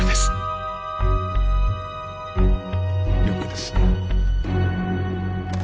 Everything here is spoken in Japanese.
了解です。